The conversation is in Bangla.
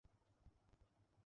আমাকে বাথরুমে যেতে হবে!